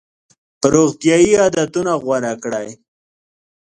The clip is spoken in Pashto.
روغتیایي عادتونه غوره کړئ.